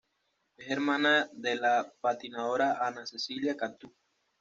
Es hermana de la patinadora Ana Cecilia Cantú.